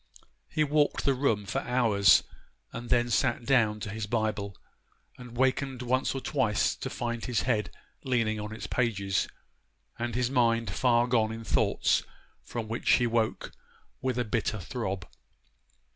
He walked the room for hours; and then sat down to his Bible, and wakened once or twice to find his head leaning on its pages, and his mind far gone in thoughts from which he woke with a bitter throb.